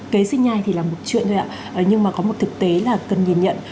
kế sinh nhai thì là một chuyện thôi ạ nhưng mà có một thực tế là cần nhìn nhận